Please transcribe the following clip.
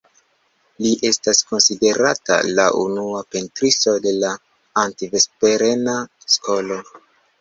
Li estas konsiderata la unua pentristo de la Antverpena Skolo.